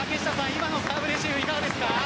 今のサーブレシーブいかがですか？